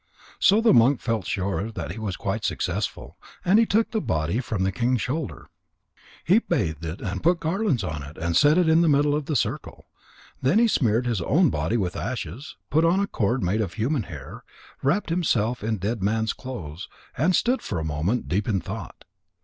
So the monk felt sure the he was quite successful, and he took the body from the king's shoulder. He bathed it and put garlands on it, and set it in the middle of the circle. Then he smeared his own body with ashes, put on a cord made of human hair, wrapped himself in dead man's clothes, and stood a moment, deep in thought.